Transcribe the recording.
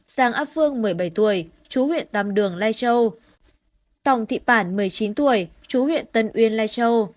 giang áp phương một mươi bảy tuổi chú huyện tăm đường lai châu tổng thị bản một mươi chín tuổi chú huyện tân uyên lai châu